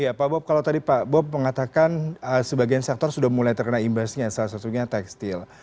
ya pak bob kalau tadi pak bob mengatakan sebagian sektor sudah mulai terkena imbasnya salah satunya tekstil